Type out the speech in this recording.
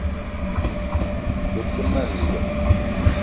Be te ma louga